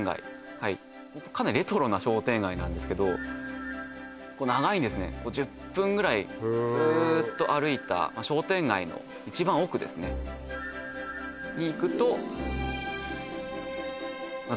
はいかなりレトロな商店街なんですけどここ長いんですね１０分ぐらいへえずっと歩いた商店街の一番奥ですねに行くと灘温泉があると